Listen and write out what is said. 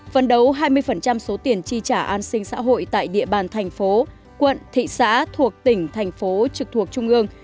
phần đấu hai mươi số tiền chi trả an sinh xã hội tại địa bàn thành phố quận thị xã thuộc tỉnh thành phố trực thuộc trung ương